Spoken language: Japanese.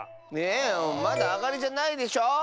ねえまだあがりじゃないでしょ？